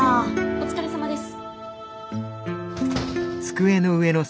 お疲れさまです。